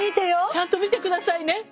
ちゃんと見て下さいね。